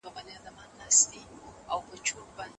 ورزش کول د سهار په تازه هوا کې ډېر خوندور وي.